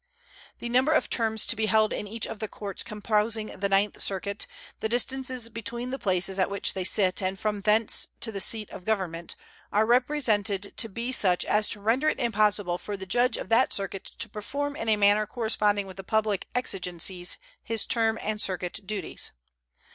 The number of terms to be held in each of the courts composing the ninth circuit, the distances between the places at which they sit and from thence to the seat of Government, are represented to be such as to render it impossible for the judge of that circuit to perform in a manner corresponding with the public exigencies his term and circuit duties.